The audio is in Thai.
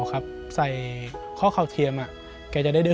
ก็ต้องจัดหน่อย